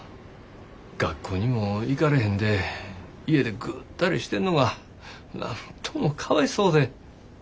学校にも行かれへんで家でぐったりしてんのがなんともかわいそうで。